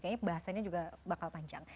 kayaknya bahasanya juga bakal panjang